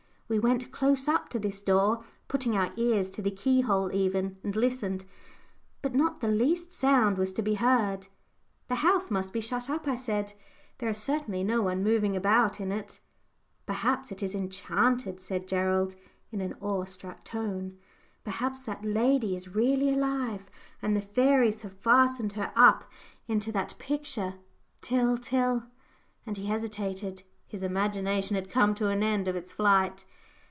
We went close up to this door, putting our ears to the keyhole even, and listened, but not the least sound was to be heard. "The house must be shut up," I said. "There is certainly no one moving about in it." "Perhaps it is enchanted," said Gerald, in an awe struck tone. "Perhaps that lady is really alive, and the fairies have fastened her up into that picture till till " and he hesitated; his imagination had come to an end of its flight.